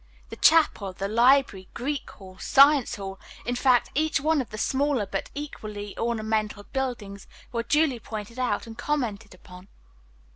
The chapel, the library, Greek Hall, Science Hall, in fact, each one of the smaller, but equally ornamental, buildings were duly pointed out and commented upon.